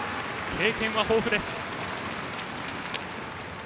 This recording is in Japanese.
経験は豊富です。